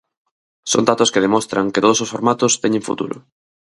Son datos que demostran que todos os formatos teñen futuro.